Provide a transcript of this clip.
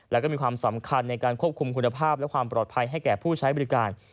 แล้วก็มีความสำคัญในการควบคุมคุณภาพและความปลอดภัยให้แก่ผู้ใช้บริการ